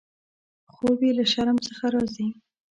خوب یې له شرم څخه راځي.